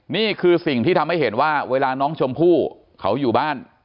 นี่คือสิ่งที่ทำให้เห็นว่าเวลาน้องชมพู่เขาอยู่บ้าน